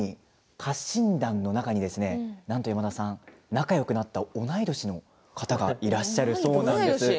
家臣団の中に、なんと山田さん仲よくなった同い年の方がいらっしゃるそうです。